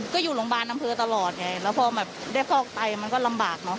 ก็อยู่โรงพยาบาลอำเภอตลอดไงแล้วพอแบบได้ฟอกไตมันก็ลำบากเนอะ